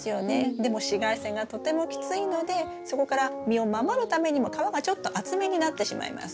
でも紫外線がとてもきついのでそこから実を守るためにも皮がちょっと厚めになってしまいます。